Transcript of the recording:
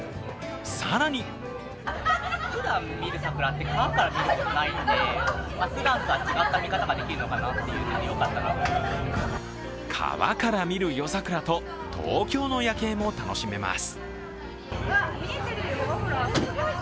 更に川から見る夜桜と東京の夜景も楽しめます。